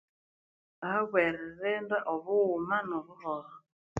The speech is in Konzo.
Habwa erilinda obughuma no buholho